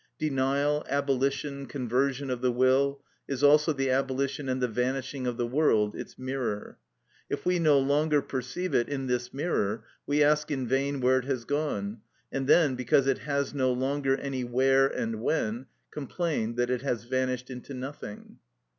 Denial, abolition, conversion of the will, is also the abolition and the vanishing of the world, its mirror. If we no longer perceive it in this mirror, we ask in vain where it has gone, and then, because it has no longer any where and when, complain that it has vanished into nothing.